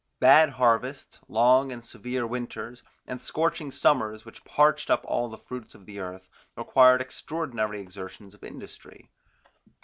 Bad harvests, long and severe winters, and scorching summers which parched up all the fruits of the earth, required extraordinary exertions of industry.